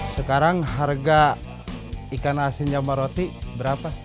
sekarang harga ikan asin sama roti berapa